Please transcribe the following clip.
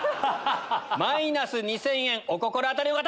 マイナス２０００円お心当たりの方！